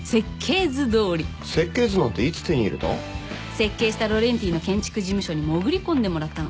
設計したロレンティの建築事務所に潜り込んでもらったの。